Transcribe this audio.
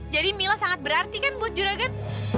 jadi mila sangat berarti kan buat juragan